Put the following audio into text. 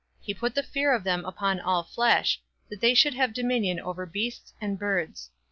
He put the fear of them upon all flesh, That they should have dominion over beasts and birds.